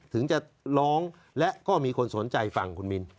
ถึงจะร้องและก็มีคนสนใจฟังคุณมิน